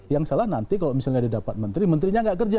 yang salah nanti kalau misalnya didapat menteri menterinya nggak kerja